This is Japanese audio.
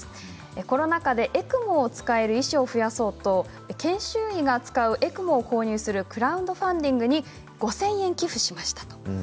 コロナ禍でＥＣＭＯを使える医師を増やそうと研修医が使うＥＣＭＯを購入するクラウドファンディングに５０００円寄付しました。